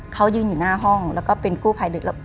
เขายืนอยู่หน้าห้องแล้วก็เป็นกู้ไพ